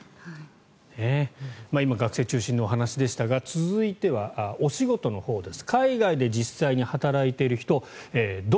今、学生中心のお話でしたが続いてはお仕事のほうです。